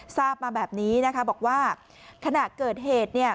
ทราบมาแบบนี้นะคะบอกว่าขณะเกิดเหตุเนี่ย